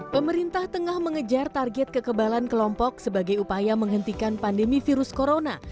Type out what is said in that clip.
pemerintah tengah mengejar target kekebalan kelompok sebagai upaya menghentikan pandemi virus corona